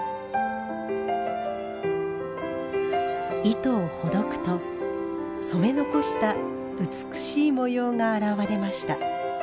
糸をほどくと染め残した美しい模様が現れました。